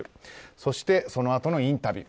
そして、そのあとのインタビュー。